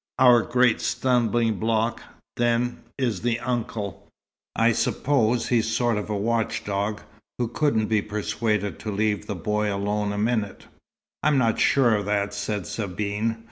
"Our great stumbling block, then, is the uncle. I suppose he's a sort of watch dog, who couldn't be persuaded to leave the boy alone a minute?" "I am not sure of that," said Sabine.